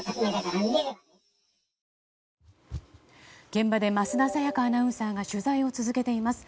現場で桝田沙也香アナウンサーが取材を続けています。